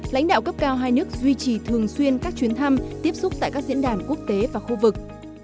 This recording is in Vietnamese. lãnh đạo cấp cao hai nước duy trì thường xuyên các chuyến thăm tiếp xúc tại các diễn đàn quốc tế và khu vực